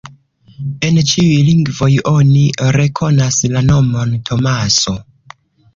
En ĉiuj lingvoj oni rekonas la nomon Tomaso.